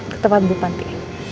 ketepan bu panti